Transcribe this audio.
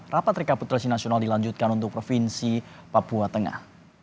rapat rekapitulasi nasional dilanjutkan untuk provinsi papua tengah